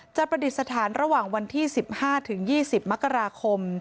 ประดิษฐานระหว่างวันที่๑๕๒๐มกราคม